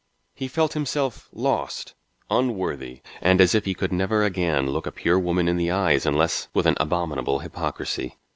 He felt himself lost, unworthy, and as if he could never again look a pure woman in the eyes unless with an abominable hypocrisy.